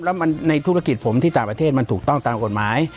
แล้วมันในธุรกิจผมที่ต่างประเทศมันถูกต้องตามกฎหมาย